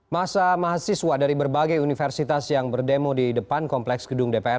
masa mahasiswa dari berbagai universitas yang berdemo di depan kompleks gedung dpr